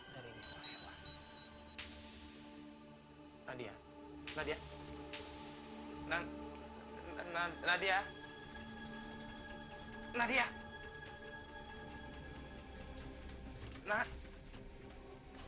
gegen beberapa manusia